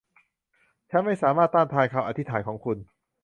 ฉันไม่สามารถต้านทานคำอธิษฐานของคุณ